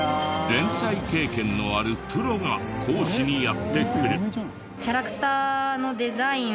連載経験のあるプロが講師にやって来る。